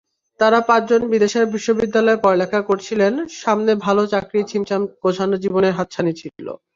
তাঁরা পাঁচজন বিদেশের বিশ্ববিদ্যালয়ে পড়ালেখা করছিলেন, সামনে ভালো চাকরি-ছিমছাম গোছানো জীবনের হাতছানি ছিল।